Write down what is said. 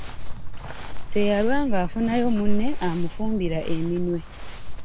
Teyalwa ng'afunayo munne amufumbira eminwe.